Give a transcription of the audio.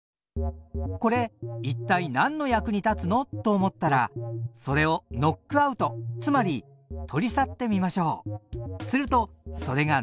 コレ一体なんの役に立つの？と思ったらそれをノックアウトつまり取り去ってみましょう。